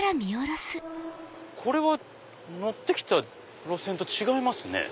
これは乗ってきた路線と違いますね。